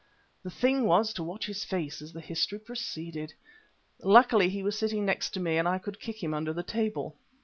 The thing was to watch his face as the history proceeded. Luckily he was sitting next to me and I could kick him under the table.